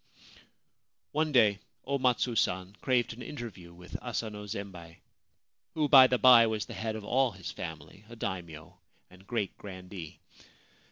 One day O Matsu San craved an interview with Asano Zembei — who, by the by, was the head of all his family, a Daimio and great grandee.